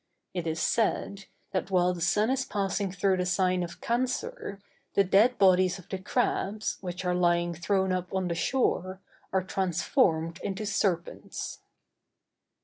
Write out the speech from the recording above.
It is said, that while the sun is passing through the sign of Cancer, the dead bodies of the crabs, which are lying thrown up on the shore, are transformed into serpents.